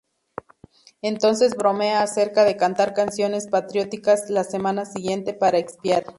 Entonces bromea acerca de cantar canciones patrióticas la semana siguiente para expiar.